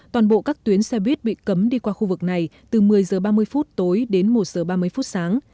toàn bộ các tuyến xe buýt bị cấm đi qua khu vực này từ một mươi giờ ba mươi phút tối đến một h ba mươi phút sáng